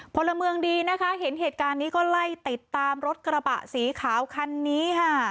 พลเมืองดีนะคะเห็นเหตุการณ์นี้ก็ไล่ติดตามรถกระบะสีขาวคันนี้ค่ะ